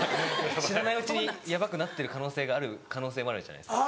知らないうちにヤバくなってる可能性がある可能性もあるじゃないですか。